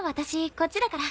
こっちだから。